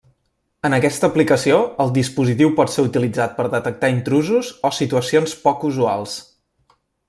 En aquesta aplicació el dispositiu pot ser utilitzat per detectar intrusos o situacions poc usuals.